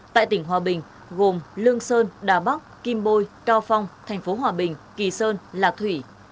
tại tỉnh hòa bình gồm lương sơn đà bắc kim bôi cao phong thành phố hòa bình kỳ sơn lạc thủy